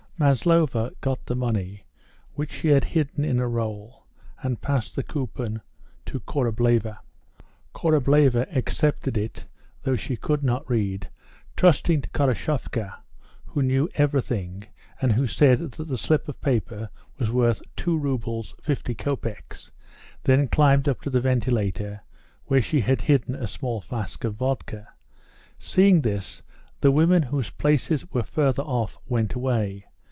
Maslova got the money, which she had also hidden in a roll, and passed the coupon to Korableva. Korableva accepted it, though she could not read, trusting to Khoroshavka, who knew everything, and who said that the slip of paper was worth 2 roubles 50 copecks, then climbed up to the ventilator, where she had hidden a small flask of vodka. Seeing this, the women whose places were further off went away.